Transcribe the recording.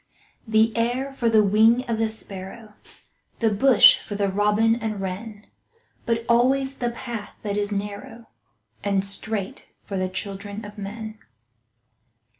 The air for the wing of the sparrow, The bush for the robin and wren, But alway the path that is narrow And straight, for the children of men.